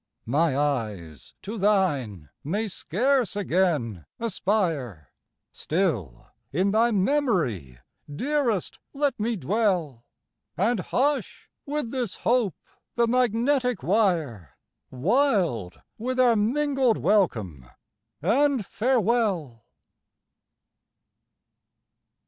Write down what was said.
My eyes to thine may scarce again aspire Still in thy memory, dearest let me dwell, And hush, with this hope, the magnetic wire, Wild with our mingled welcome and farewell!